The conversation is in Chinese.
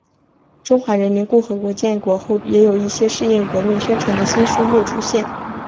中华人民共和国建国后也有一些适应革命宣传的新书目出现。